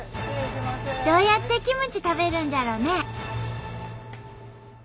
どうやってキムチ食べるんじゃろうね？